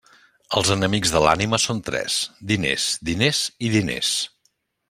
Els enemics de l'ànima són tres: diners, diners i diners.